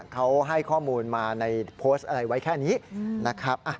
เขาให้ข้อมูลมาในโพสต์อะไรไว้แค่นี้นะครับ